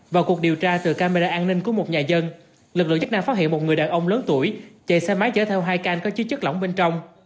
vào cuộc điều tra từ camera an ninh của một nhà dân lực lượng chức năng phát hiện một người đàn ông lớn tuổi chạy xe máy chở theo hai can có chứa chất lỏng bên trong